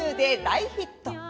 大ヒット